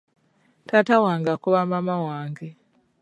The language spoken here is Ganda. Taata wange akuba maama wange.